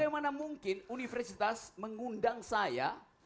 bagaimana mungkin universitas mengundang saya